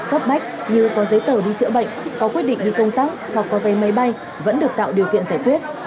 cấp bách như có giấy tờ đi chữa bệnh có quyết định đi công tác hoặc có vé máy bay vẫn được tạo điều kiện giải quyết